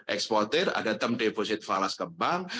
eksporter ada term deposit falas ke bank